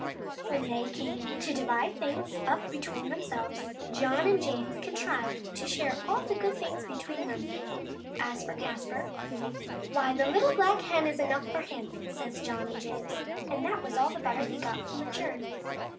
Well, when they came to divide things up between themselves, John and James contrived to share all of the good things between them. As for Caspar, "why, the little black hen is enough for him," says John and James, and that was all the butter he got from that churn.